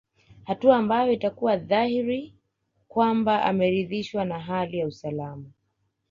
Hatua ambayo itakuwa dhahiri kwamba ameridhishwa na hali ya usalama